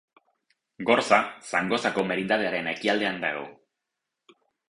Gorza Zangozako merindadearen ekialdean dago.